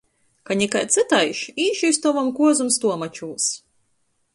Ka nikai cytaiž, īšu iz tovom kuozom stuomačūs!